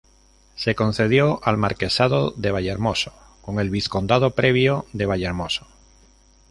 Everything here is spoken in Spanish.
Se concedió el Marquesado de Vallehermoso con el vizcondado previo de Vallehermoso.